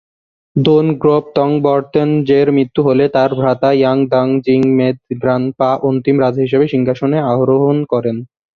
দোন-'গ্রুব-ত্শে-ব্র্তান-র্দো-র্জের মৃত্যু হলে তাঁর ভ্রাতা ঙ্গাগ-দ্বাং-'জিগ্স-মেদ-গ্রাগ্স-পা অন্তিম রাজা হিসেবে সিংহাসনে আরোহণ করেন।